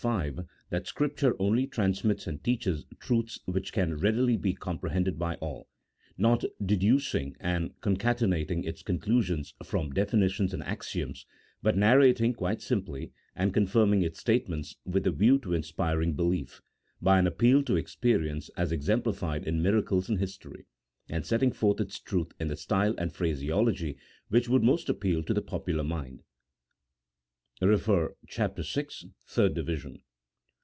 V. that ScrijDture only transmits and teaches truths which can readily be comprehended by all ; not deducing and concatenating its conclusions from definitions and axioms, but narrating quite simply, and confirming its statements, with a view to inspiring belief , by an appeal to experience as exemplified in miracles and history, and set ting forth its truths in the style and phraseology which would most appeal to the popular mind (cf. Chap. VI. , third division).